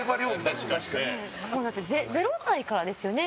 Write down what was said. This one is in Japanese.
０歳からですよね？